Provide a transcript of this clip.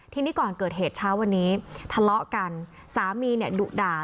ทีนี้ก่อนเกิดเหตุเช้าวันนี้ทะเลาะกันสามีเนี่ยดุด่า